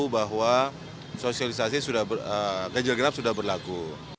bahwa sosialisasi ganjil genap sudah berlaku